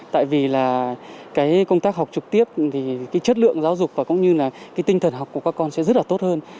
tại vì công tác học trực tiếp chất lượng giáo dục và tinh thần học của các con sẽ rất là tốt hơn